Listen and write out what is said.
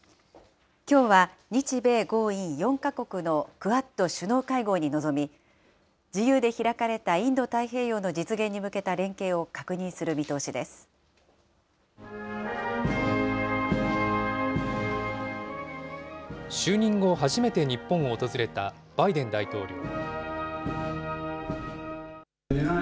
きょうは、日米豪印４か国のクアッド首脳会合に臨み、自由で開かれたインド太平洋の実現に向けた連携を確認する見通し就任後、初めて日本を訪れたバイデン大統領。